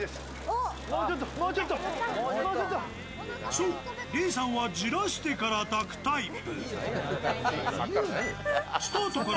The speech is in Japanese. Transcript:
そう、李さんはじらしてから抱くタイプ。